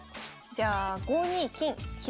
じゃあ５二金左。